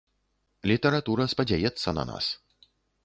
Літаратура спадзяецца на нас.